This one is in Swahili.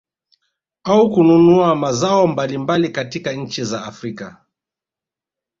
Au kununua mazao mbalimbali katika nchi za Afrika